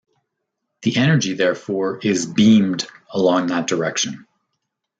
The energy, therefore, is 'beamed' along that direction.